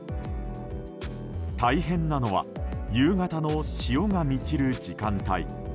大変なのは夕方の潮が満ちる時間帯。